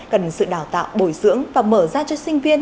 cần sự đào tạo bồi dưỡng và mở ra cho sinh viên